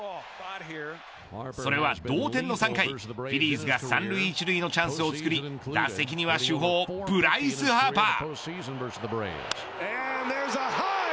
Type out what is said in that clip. それは同点の３回フィリーズが三塁一塁のチャンスを作り打席には主砲ブライス・ハーパー。